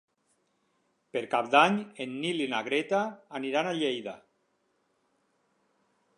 Per Cap d'Any en Nil i na Greta aniran a Lleida.